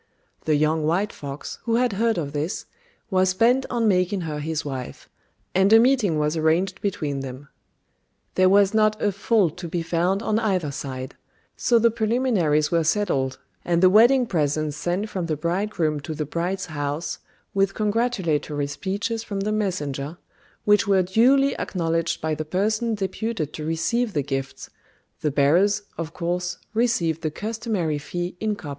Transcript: The young white fox, who had heard of this, was bent on making her his wife, and a meeting was arranged between them. There was not a fault to be found on either side; so the preliminaries were settled, and the wedding presents sent from the bridegroom to the bride's house, with congratulatory speeches from the messenger, which were duly acknowledged by the person deputed to receive the gifts; the bearers, of course, received the customary fee in copper cash.